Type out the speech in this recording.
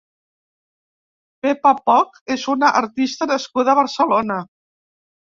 Pepa Poch és una artista nascuda a Barcelona.